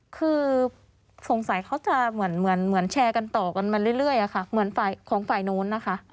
คือสงสัยเขาจะเหมือนแชร์กันต่อกันมาเรื่อยค่ะเหมือนของฝ่ายโน้นนะคะ